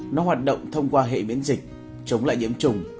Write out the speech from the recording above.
nó hoạt động thông qua hệ biến dịch chống lại nhiễm trùng